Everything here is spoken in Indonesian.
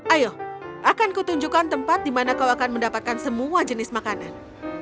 ayo akan kutunjukkan tempat di mana kau akan mendapatkan semua jenis makanan